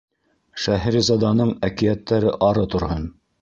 Шәһризаданың әкиәттәре ары торһон.